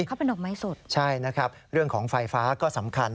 เขาเป็นดอกไม้สดใช่นะครับเรื่องของไฟฟ้าก็สำคัญ